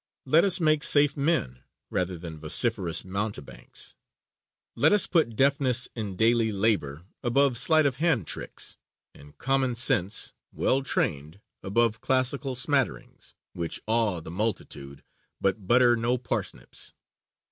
Let us make safe men rather than vociferous mountebanks; let us put deftness in daily labor above sleight of hand tricks, and common sense, well trained, above classical smatterings, which awe the multitude but butter no parsnips.